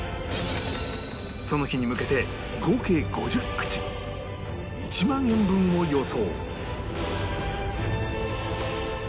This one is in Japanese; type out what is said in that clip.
その日に向けて合計５０口１万円分を予想